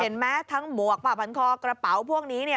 เห็นไหมทั้งหมวกผ้าพันคอกระเป๋าพวกนี้เนี่ย